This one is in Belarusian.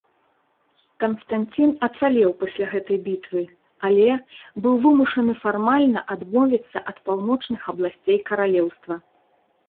Канстанцін ацалеў пасля гэтай бітвы, але быў вымушаны фармальна адмовіцца ад паўночных абласцей каралеўства.